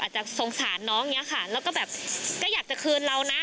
จะสงสารน้องอย่างนี้ค่ะแล้วก็แบบก็อยากจะคืนเรานะ